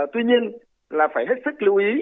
tuy nhiên là phải hết sức lưu ý